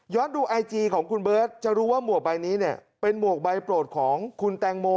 ดูไอจีของคุณเบิร์ตจะรู้ว่าหมวกใบนี้เนี่ยเป็นหมวกใบโปรดของคุณแตงโม